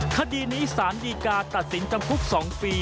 คดีนี้สารดีกาตัดสินจำคุก๒ปี